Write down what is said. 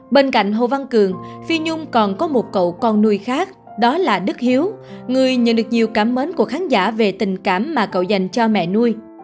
bên cạnh hồ văn cường phi nhung còn có một cậu con nuôi khác đó là đức hiếu người nhận được nhiều cảm mến của khán giả về tình cảm mà cậu dành cho mẹ nuôi